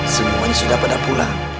semuanya sudah pada pulang